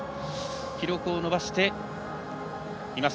記録を伸ばしています。